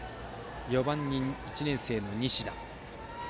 ４番に１年生の西田。